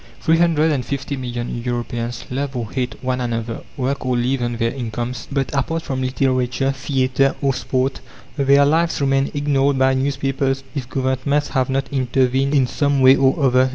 Three hundred and fifty million Europeans love or hate one another, work, or live on their incomes; but, apart from literature, theatre, or sport, their lives remain ignored by newspapers if Governments have not intervened in it in some way or other.